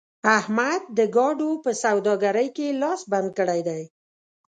احمد د ګاډو په سوداګرۍ کې لاس بند کړی دی.